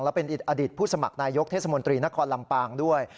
และเป็นอดีตผู้สมัครนายกเทศมนตรีนครลำปางด้วย